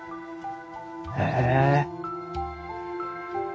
へえ。